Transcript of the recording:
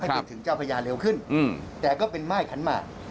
ให้ถึงเจ้าพระยาเร็วขึ้นแต่ก็เป็นไหม้ขันมา